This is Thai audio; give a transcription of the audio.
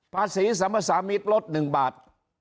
ภาษีสรรพสามิตรลด๑บาท